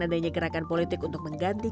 adanya gerakan politik untuk mengganti